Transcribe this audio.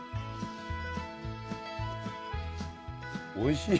おいしい。